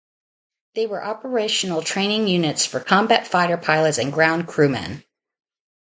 They were operational training units for combat fighter pilots and ground crewmen.